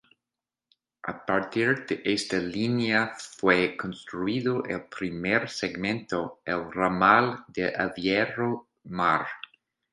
A partir de esta línea fue construido el primer segmento, el Ramal de Aveiro-Mar.